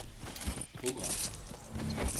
trop grand.